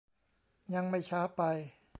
ยังไม่ช้าไป